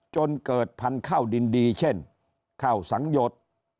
จนเกิดพันธุ์ข้าวดินดีเช่นข้าวสังหยด